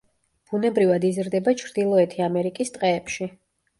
ბუნებრივად იზრდება ჩრდილოეთი ამერიკის ტყეებში.